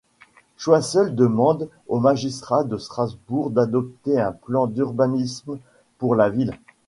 Choiseul demande au Magistrat de Strasbourgd'adopter un plan d'urbanisme pour la ville.